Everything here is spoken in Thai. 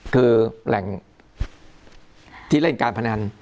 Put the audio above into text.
คือแหล่งที่เล่นการพนัน